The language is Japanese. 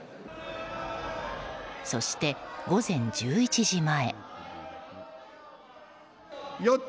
そして午前１１時前。